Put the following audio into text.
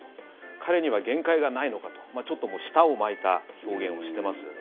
彼には限界がないのかとちょっと舌を巻いた表現をしてますよね。